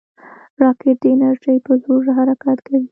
راکټ د انرژۍ په زور حرکت کوي